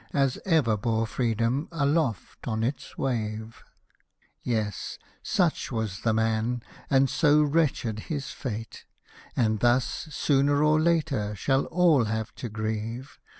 As ever bore Freedom aloft on its wave !" Yes — such was the man, and so wretched his fate ;— And thus, sooner or later, shall all have to grieve.